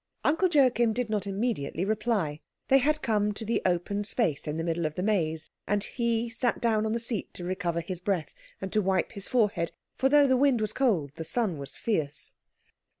Uncle Joachim did not immediately reply. They had come to the open space in the middle of the maze, and he sat down on the seat to recover his breath, and to wipe his forehead; for though the wind was cold the sun was fierce.